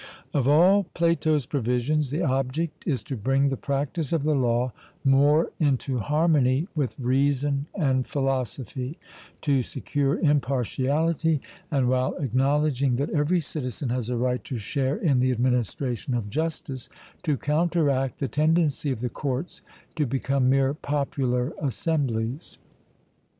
Of all Plato's provisions the object is to bring the practice of the law more into harmony with reason and philosophy; to secure impartiality, and while acknowledging that every citizen has a right to share in the administration of justice, to counteract the tendency of the courts to become mere popular assemblies.